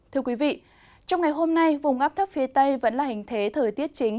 thưa quý vị trong ngày hôm nay vùng ngắp thấp phía tây vẫn là hình thế thời tiết chính